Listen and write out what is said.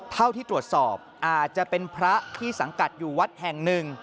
เท่าที่ตรวจสอบอาจจะเป็นพระที่สังกัดอยู่วัดแห่งหนึ่ง